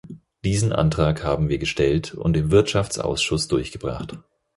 Diesen Antrag haben wir gestellt und im Wirtschaftsausschuss durchgebracht.